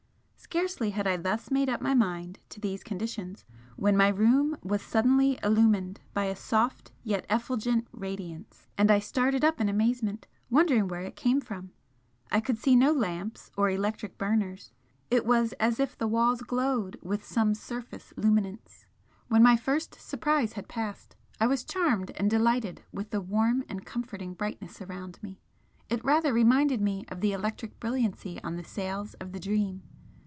Scarcely had I thus made up my mind to these conditions when my room was suddenly illumined by a soft yet effulgent radiance and I started up in amazement, wondering where it came from. I could see no lamps or electric burners, it was as if the walls glowed with some surface luminance. When my first surprise had passed, I was charmed and delighted with the warm and comforting brightness around me, it rather reminded me of the electric brilliancy on the sails of the 'Dream.'